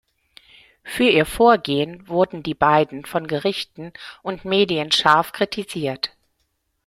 Für ihr Vorgehen wurden die beiden von Gerichten und Medien scharf kritisiert.